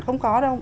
không có đâu